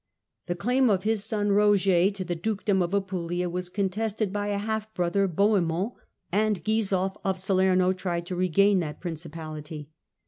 The claim of his son Roger to the dukedom of Apulia was contested by a half brother Bohemund, and Gisulf of Salerno tried to regain that principality.